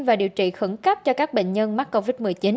và điều trị khẩn cấp cho các bệnh nhân mắc covid một mươi chín